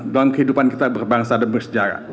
dalam kehidupan kita berbangsa dan bersejarah